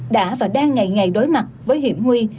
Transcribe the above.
đã và đang ngày ngày đối mặt với hiểm nguy